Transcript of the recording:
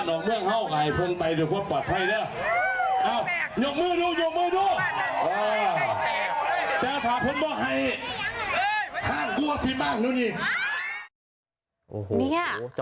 โอ้โหจะพังเลยเหรอ